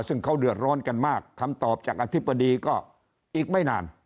ซึ่งเขาเดือดร้อนกันมากคำตอบจากอธิบดีก็อีกไม่นาน